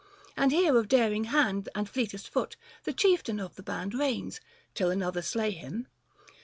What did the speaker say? And here of darino* hand And fleetest foot, the Chieftain of the Band Reigns, till another slay him.